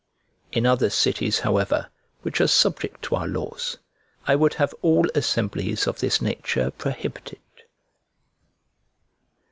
In other cities, however, which are subject to our laws, I would have all assemblies of this nature prohibited.